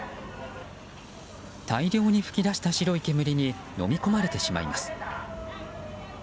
大量に噴き出した白い煙にのみ込まれてしまいます。